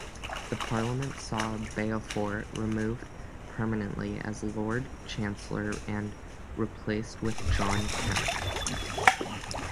The Parliament saw Beaufort removed permanently as Lord Chancellor and replaced with John Kemp.